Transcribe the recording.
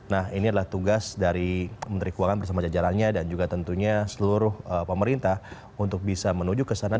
nah ini adalah tugas dari menteri keuangan bersama jajarannya dan juga tentunya seluruh pemerintah untuk bisa menuju ke sana